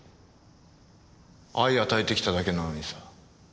愛を与えてきただけなのにさ。